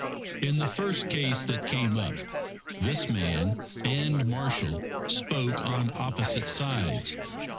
In the first case that came up, this man and Marshall spoke on opposite sides.